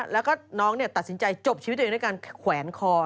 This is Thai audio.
แล้วก็น้องตัดสินใจจบชีวิตอยู่ในการแขวนคอ